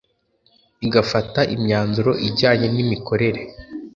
igafata imyanzuro ijyanye n’imikorere